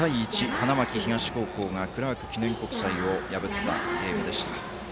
花巻東高校がクラーク記念国際を破ったゲームでした。